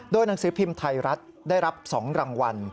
หนังสือพิมพ์ไทยรัฐได้รับ๒รางวัล